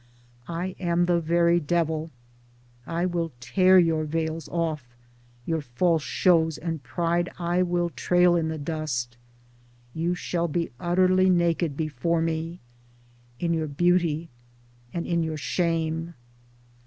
I am the very devil. I will tear your veils off, your false shows and pride I will trail in the dust, — you shall be utterly naked before me, in your beauty and in your shame.